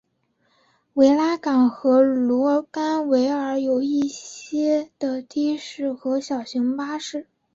维拉港和卢甘维尔有一些的士和小型巴士。